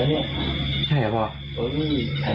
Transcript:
อันนี้ไม่น่าจะตายดีดีจากกระดูกแล้ว